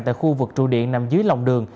tại khu vực trụ điện nằm dưới lòng đường